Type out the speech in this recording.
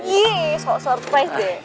iya soal surprise deh